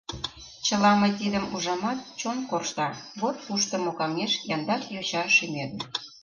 Чыла мый тидым ужамат, Чон коршта: вот кушто мокаҥеш яндар йоча шӱмет.